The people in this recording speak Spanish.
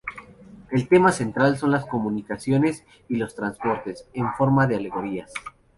El tema central son las comunicaciones y los transportes, en forma de alegorías.